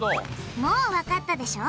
もうわかったでしょ。